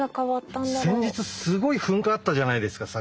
先日すごい噴火あったじゃないですか桜島。